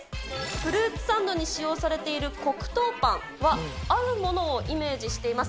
フルーツサンドに使用されている黒糖パンは、あるものをイメージしています。